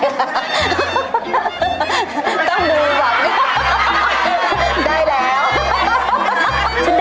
ต้องดูแบบนี้